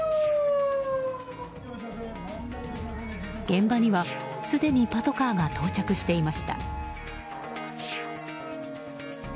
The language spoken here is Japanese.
現場にはすでにパトカーが到着していました。